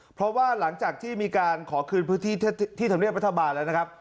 เพราะว่าหลังจากที่มีการขอคืนพื้นที่ที่ธรรมเนียบรัฐบาลแล้วนะครับ